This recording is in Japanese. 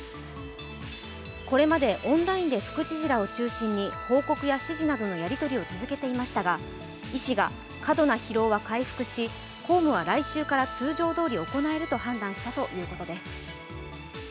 これまでオンラインで副知事らを中心に報告や指示などのやりとりを続けていましたが医師が過度な疲労は回復し、公務は来週から通常どおり行えると判断したということです。